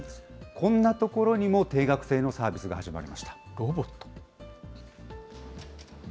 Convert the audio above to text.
こんなところにも定額制のサービスが始まりました。